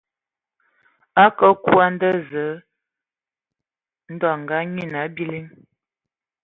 A kǝǝ kwi a nda Zǝǝ ndɔ a anyian a biliŋ.